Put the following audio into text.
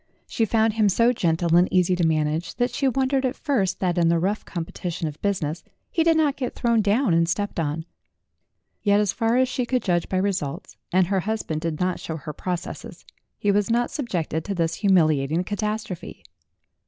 She found him so gentle and easy to manage, that she wondered at first that in the rough competition of business he did not get thrown down and stepped on. Yet, as far as she could judge by results and her husband did not show her processes he was not subjected to this humiliating catastrophe.